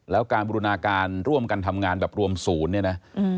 แล้วการบูรณาการร่วมกันทำงานแบบรวมศูนย์เนี่ยนะ